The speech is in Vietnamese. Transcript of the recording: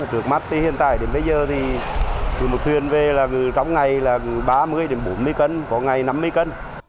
trước mắt thì hiện tại đến bây giờ thì từ một thuyền về là trong ngày là ba mươi đến bốn mươi cân có ngày năm mươi cân